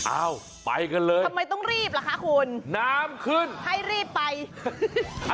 อ้าวไปกันเลยน้ำขึ้นให้รีบไปทำไมต้องรีบล่ะคะคุณ